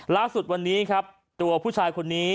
ล่าสุดวันนี้ครับตัวผู้ชายคนนี้